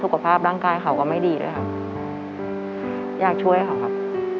สุขภาพร่างกายเขาก็ไม่ดีด้วยครับอยากช่วยเขาครับ